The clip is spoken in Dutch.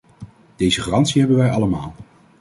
Deze garantie hebben wij allemaal.